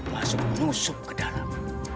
masuk musuh ke dalam